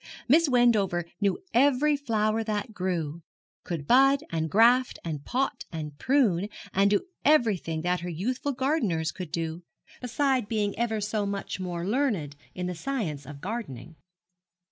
Miss Wendover knew every flower that grew could bud, and graft, and pot, and prune, and do everything that her youthful gardeners could do, beside being ever so much more learned in the science of gardening.